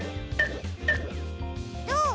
どう？